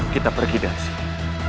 kita pergi dari sini